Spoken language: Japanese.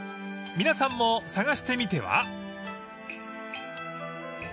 ［皆さんも探してみては？］